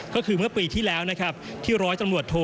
ก็คือเมื่อปีที่แล้วนะครับที่ร้อยตำรวจโท